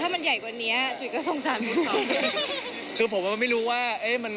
ถ้ามันใหญ่กว่านี้จุฯก็สงสารผู้เขา